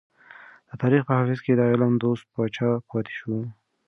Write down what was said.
د تاريخ په حافظه کې د علم دوست پاچا پاتې شو.